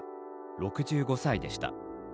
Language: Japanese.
６５歳でした。